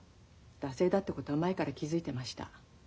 惰性だってことは前から気付いてました。